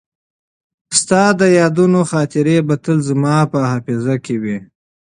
ستا د یادونو خاطرې به تل زما په حافظه کې وي.